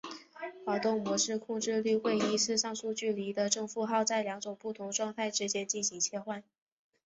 滑动模式控制律会依照上述距离的正负号在二种不同的状态之间进行切换。